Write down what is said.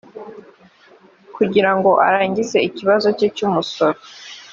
kugira ngo arangize ikibazo cye cy’umusoro